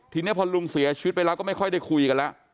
ทีนี้พอลุงเสียชีวิตไปแล้วก็ไม่ค่อยได้คุยกันแล้ว